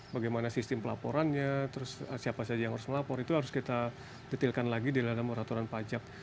bagaimana sistem pelaporannya terus siapa saja yang harus melapor itu harus kita detailkan lagi di dalam peraturan pajak